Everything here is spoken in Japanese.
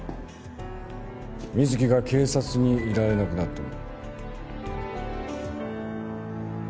水樹が警察にいられなくなっても。